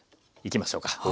いきましょうか。